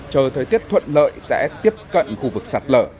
chờ thời tiết thuận lợi sẽ tiếp cận khu vực sạt lở